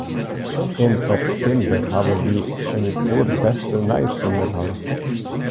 Yn septimber hawwe wy in poerbêste neisimmer hân.